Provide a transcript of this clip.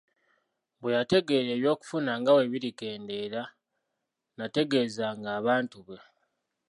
Bwe yategeera eby'okufuna nga bwe birikendeera n'ategeezanga abantu be.